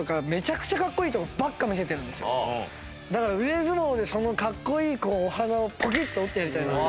だから腕相撲でそのかっこいい鼻をポキッと折ってやりたいなと。